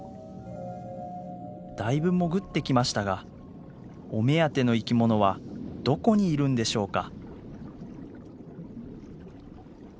だいぶ潜ってきましたがお目当ての生き物はどこにいるんでしょうか。